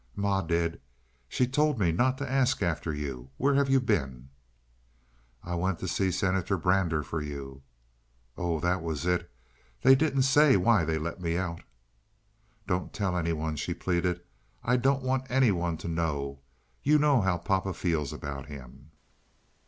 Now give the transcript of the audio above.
"Ma did. She told me not to ask after you. Where have you been?" "I went to see Senator Brander for you." "Oh, that was it. They didn't say why they let me out." "Don't tell any one," she pleaded. "I don't want any one to know. You know how papa feels about him."